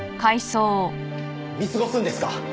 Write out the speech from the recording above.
見過ごすんですか？